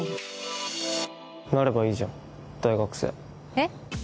えっ？